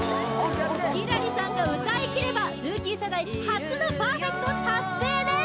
輝星さんが歌いきればルーキー世代初のパーフェクト達成です